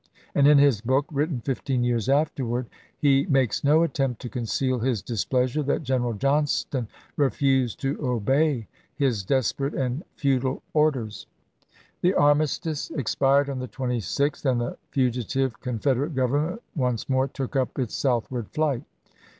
And in his book, written fifteen years afterward, he makes no attempt to conceal his displeasure that General Johnston refused to obey his desperate and futile orders. April, 1865. The armistice expired on the 26th, and the fugi tive Confederate Government once more took up its southward flight.